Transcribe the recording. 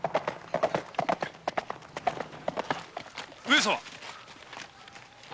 上様。